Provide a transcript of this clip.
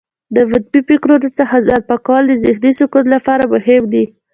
د منفي فکرونو څخه ځان پاکول د ذهنې سکون لپاره مهم دي.